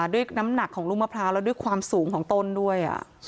ด้วยน้ำหนักของลูกมะพร้าวแล้วด้วยความสูงของต้นด้วย